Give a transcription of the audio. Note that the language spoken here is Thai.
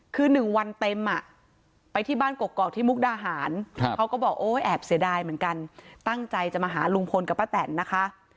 คือ๑วันเต็มอ่ะไปที่บ้านกกอกที่มุกดาหารเขาก็บอกโอ้แอบเสียดายเหมือนกันตั้งใจจะมาหาลุงพลกับป้าแตนนะคะ